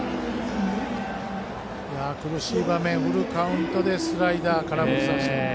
苦しい場面フルカウントでスライダーからの三振。